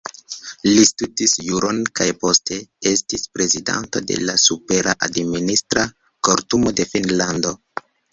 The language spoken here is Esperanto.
Li studis juron kaj poste estis prezidanto de la Supera Administra Kortumo de Finnlando.